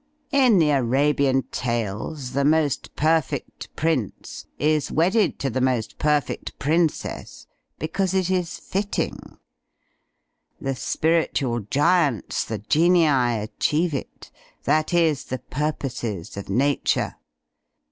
In the Arabian tales, the most perfect prince is wedded to the most perfect princess — because it is fitting. The spiritual giants, the Genii, achieve it — that is, the purposes of Nature.